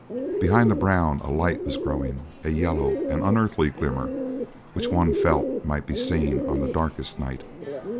Behind the brown a light was growing, a yellow and unearthly glimmer which one felt might be seen on the darkest night.